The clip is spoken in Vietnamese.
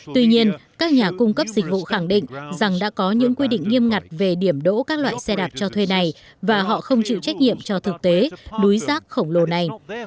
tuy nhiên các nhà cung cấp dịch vụ khẳng định rằng đã có những quy định nghiêm ngặt về điểm đỗ các loại xe đạp cho thuê này và họ không chịu trách nhiệm cho thực tế núi rác khổng lồ này